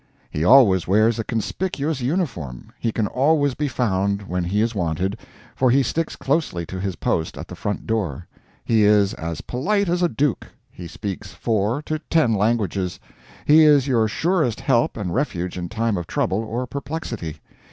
He always wears a conspicuous uniform; he can always be found when he is wanted, for he sticks closely to his post at the front door; he is as polite as a duke; he speaks from four to ten languages; he is your surest help and refuge in time of trouble or perplexity.